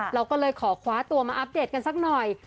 เราก็เลยขอคว้าตัวมาอัปเดตกันสักหน่อย